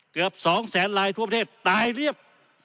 เกือบ๒แสนลายทั่วประเทศตายเรียบ